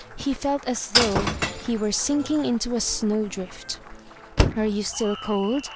He felt as though he were sinking into a snow drift. "Are you still cold?'